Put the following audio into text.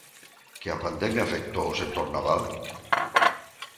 ¿Que a pandemia afectou o sector naval?